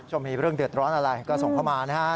มีเรื่องเดือดร้อนอะไรก็ส่งเข้ามานะฮะ